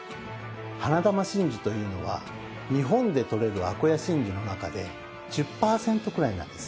花珠真珠というのは日本でとれるアコヤ真珠の中で１０パーセントくらいなんです。